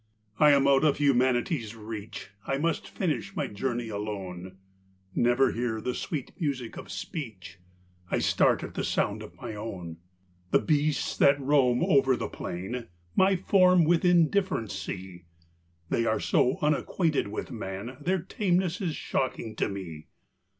1 am out of humanity's reach, I must finish my journey alone, Never hear the sweet music of speech I start at the sound of my own. The beasts that roam over the plain, My form with indifference see; They are so unacquainted with man, Their tameness is shocking to me.